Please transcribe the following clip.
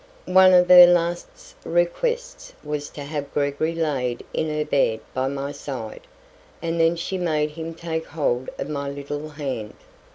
One of her last requests was to have Gregory laid in her bed by my side, and then she made him take hold of my little hand.